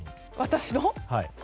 私の？